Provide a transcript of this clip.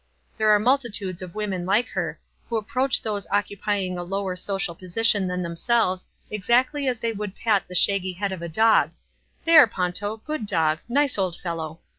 There are multitudes of women like her, who approach those occupying a lower social position than themselves exactly as they would pat the shaggy head of a dog, "There, Ponto ! good dog — nice old fellow!"